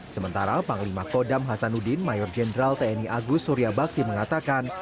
sementara panglima kodam hasanuddin mayor jenderal tni agus surya bakti mengatakan